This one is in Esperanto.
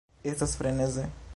Estas freneze!